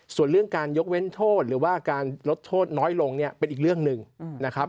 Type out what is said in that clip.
ส่วนเรื่องการยกเว้นโทษหรือว่าการลดโทษน้อยลงเนี่ยเป็นอีกเรื่องหนึ่งนะครับ